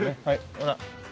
ほら。